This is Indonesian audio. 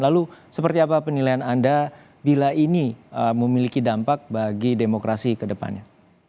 lalu seperti apa penilaian anda bila ini memiliki dampak bagi demokrasi ke depannya